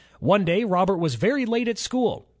One day, Robert was very late at school.